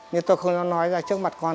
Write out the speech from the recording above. nhưng tôi không dám nói ra trước mặt con